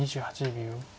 ２８秒。